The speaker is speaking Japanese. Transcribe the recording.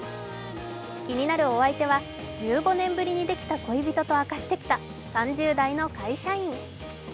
気になるお相手は、１５年ぶりにできた恋人と明かしてきた３０代の会社員。